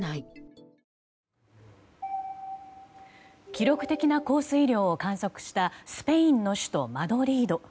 記録的な降水量を観測したスペインの首都マドリード。